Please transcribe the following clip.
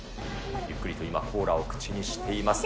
ゆっくりと今コーラを口にしています。